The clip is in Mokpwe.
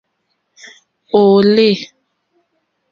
Òòle.